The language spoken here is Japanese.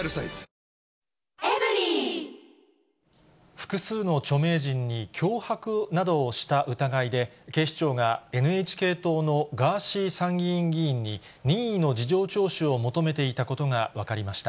複数の著名人に脅迫などをした疑いで、警視庁がＮＨＫ党のガーシー参議院議員に任意の事情聴取を求めていたことが分かりました。